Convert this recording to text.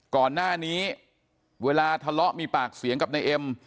ก่อนหน้านี้เวลาทะเลาะมีปากเสียงกับนายเอ็ม